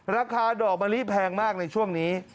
ราคาดอกมะลิแพงมากในช่วงนี้